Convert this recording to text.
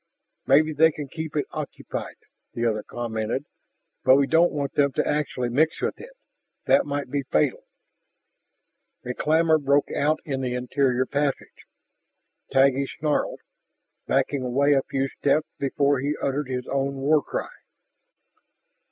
"Maybe they can keep it occupied," the other commented. "But we don't want them to actually mix with it; that might be fatal." A clamor broke out in the interior passage. Taggi snarled, backing away a few steps before he uttered his own war cry.